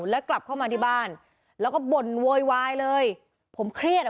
แล้วกลับเข้ามาที่บ้านแล้วก็บ่นโวยวายเลยผมเครียดอ่ะ